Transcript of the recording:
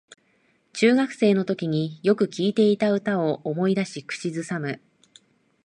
中学生のときによく聴いていた歌を思い出し口ずさむ